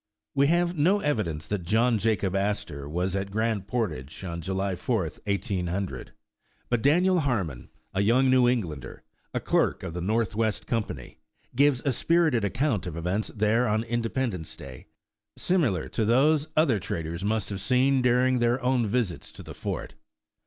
117 The Original John Jacob Astor We have no evidence that John Jacob Astor was at Grand Portage on July 4th, 1800, but Daniel Harmon, a young New Englander, a clerk of the Northwest Com pany, gives a spirited account of events there on Inde pendence Day, similar to those other traders must have seen during their own visits to the fort.